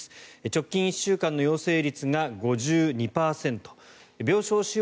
直近１週間の陽性率が５２％。